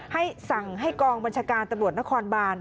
ให้สั่งให้กองบัญชาการตำรวจนครบาน